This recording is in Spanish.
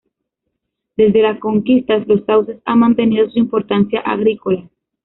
Desde la conquista, Los Sauces ha mantenido su importancia agrícola.